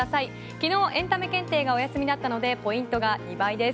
昨日エンタメ検定がお休みだったのでポイントが２倍です。